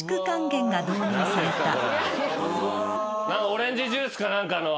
オレンジジュースか何かの。